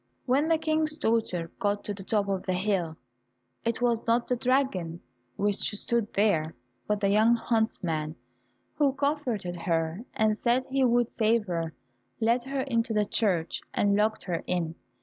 When the King's daughter got to the top of the hill, it was not the dragon which stood there, but the young huntsman, who comforted her, and said he would save her, led her into the church, and locked her in.